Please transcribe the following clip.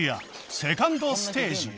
セカンドステージへ